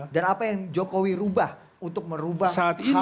dan apa yang jokowi ubah untuk merubah hal yang salah itu